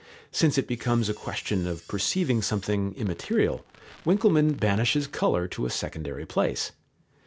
Since it becomes a question of perceiving something immaterial, Winckelmann banishes colour to a secondary place.